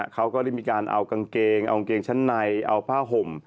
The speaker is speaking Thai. เขาก็ได้มีการเอากางเกงเอากางเกงชั้นในเอาผ้าห่ม